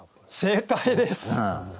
正解です！